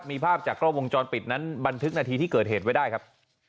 มีภาพจากกล้องวงจรปิดนั้นบันทึกนาทีที่เกิดเหตุไว้ได้ครับ